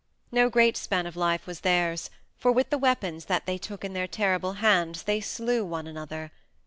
No great span of life was theirs, for with the weapons that they took in their terrible hands they slew one another.